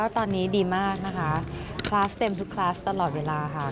ตอนนี้ดีมากนะคะคลาสเต็มทุกคลาสตลอดเวลาค่ะ